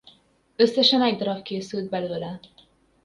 Összesen egy darab készült belőle.